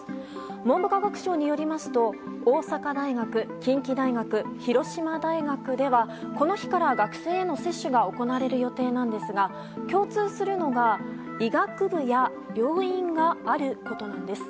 文部科学省によりますと大阪大学、近畿大学広島大学ではこの日から学生への接種が行われる予定なんですが共通するのが、医学部や病院があることなんです。